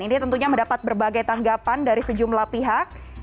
ini tentunya mendapat berbagai tanggapan dari sejumlah pihak